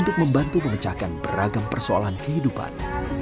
untuk membantu memecahkan beragam persoalan kehidupan